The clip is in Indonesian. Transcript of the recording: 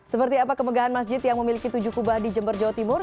seperti apa kemegahan masjid yang memiliki tujuh kubah di jember jawa timur